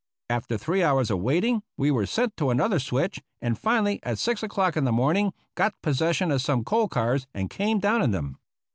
After three hours of waiting we were sent to an other switch, and finally at six o'clock in the morning got possession of some coal cars and came down in them.